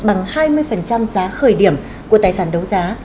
bằng hai mươi giá khởi điểm của tài sản đấu giá